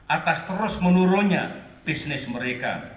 atas terus menurunnya bisnis mereka